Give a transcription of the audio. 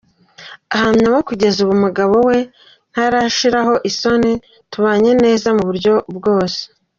Ahamya ko kugeza ubu umugabo we ‘ntarashiraho isoni, tubanye neza mu buryo bwose.